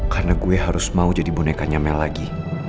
karena gue harus mau jadi bonekanya mel lagi